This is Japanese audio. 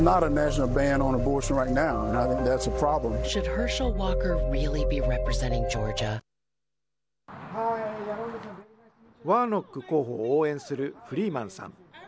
ワーノック候補を応援するフリーマンさん。